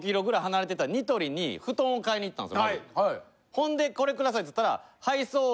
ほんでこれくださいって言ったら。